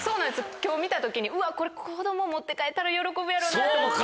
今日見た時にうわっこれ子供持って帰ったら喜ぶやろなと思って。